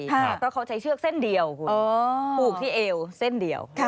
เพราะเขาใช้เชือกเส้นเดียวคุณผูกที่เอวเส้นเดียว